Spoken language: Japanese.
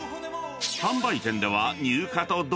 ［販売店では］